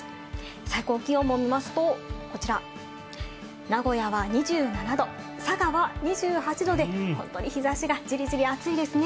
最高気温も見ますと、こちら名古屋は２７度、佐賀は２８度で本当に日差しがジリジリ暑いですね。